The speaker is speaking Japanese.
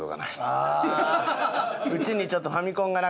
うちにちょっとファミコンがなかった。